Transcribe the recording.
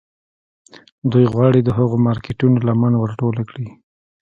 دوی غواړي د هغو مارکیټونو لمن ور ټوله کړي